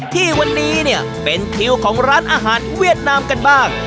ที่วันนี้เนี่ยเป็นคิวของร้านอาหารเวียดนามกันบ้าง